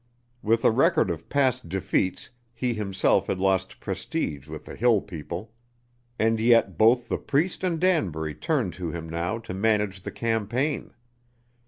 With a record of past defeats he himself had lost prestige with the hill people. And yet both the priest and Danbury turned to him now to manage the campaign.